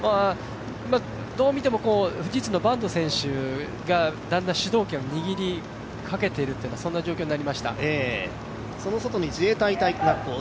どう見ても、富士通の坂東選手がだんだん主導権を握りかけている状況になりました。